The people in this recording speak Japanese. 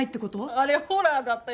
あれホラーだったよね。